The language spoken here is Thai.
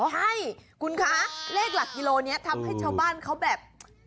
ใช่คุณคะเลขหลักกิโลนี้ทำให้ชาวบ้านเขาแบบ